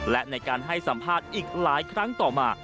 และในการให้สัมภาษณ์อีกหลายครั้งต่อมา